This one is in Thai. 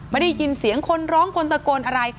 ไม่ได้ยินเสียงคนร้องคนตะโกนอะไร